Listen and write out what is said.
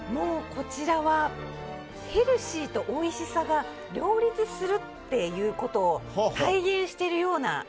こちらはヘルシーとおいしさが両立するっていうことを体現してるような。